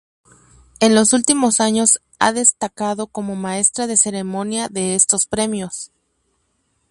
En los últimos años ha destacado como maestra de ceremonia de estos premios.